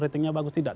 cita cita bagus tidak